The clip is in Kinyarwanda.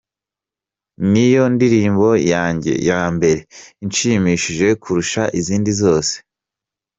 Ni yo ndirimbo yanjye ya mbere inshimishije kurusha izindi zose.